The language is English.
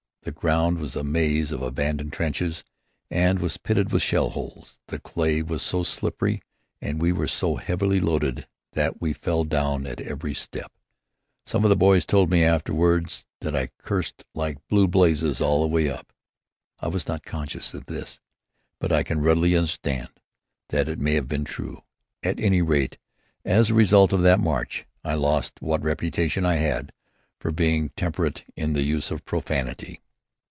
The ground was a maze of abandoned trenches and was pitted with shell holes. The clay was so slippery and we were so heavily loaded that we fell down at every step. Some of the boys told me afterward that I cursed like blue blazes all the way up. I was not conscious of this, but I can readily understand that it may have been true. At any rate, as a result of that march, I lost what reputation I had for being temperate in the use of profanity.